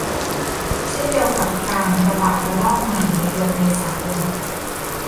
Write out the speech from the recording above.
เช่นเดียวกับการระบาดระลอกใหม่ในเดือนเมษายน